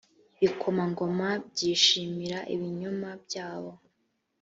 ibikomangoma byishimira ibinyoma byabo